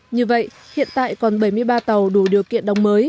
như vậy hiện tại còn bảy mươi ba tàu đủ điều kiện